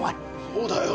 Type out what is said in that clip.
そうだよ。